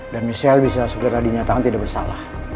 dan michelle bisa segera dinyatakan tidak bersalah